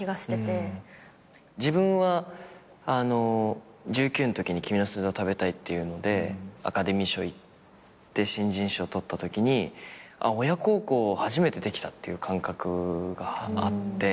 自分は１９のときに『君の膵臓をたべたい』っていうのでアカデミー賞いって新人賞取ったときに親孝行初めてできたっていう感覚があって。